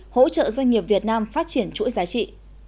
hỗ trợ doanh nghiệp việt nam phát triển chuỗi giá trị